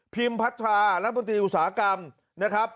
พิมพัชฌาลังพลังติอุตสาหกรรมนะครับ